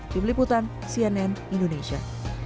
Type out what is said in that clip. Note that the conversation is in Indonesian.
di meliputan cnn indonesia